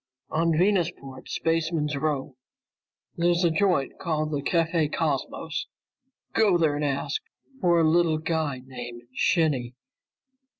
"On Venusport's Spaceman's Row. There's a joint called the Café Cosmos. Go there and ask for a little guy named Shinny.